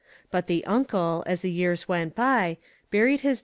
But the uncle, as the years went by, buried his OVERDOING.